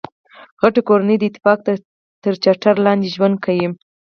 غټۍ کورنۍ د اتفاق تر چتر لاندي ژوند کیي.